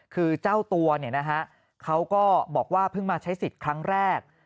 คือเจ้าตัวเขาก็บอกว่าเพิ่งมาใช้สิทธิ์ครั้งแรก